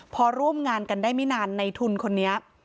พอร่วมงานกันได้ไม่นานในทุนคนนี้